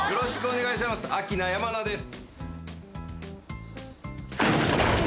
アキナ山名です。